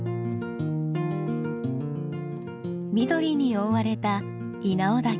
緑に覆われた稲尾岳。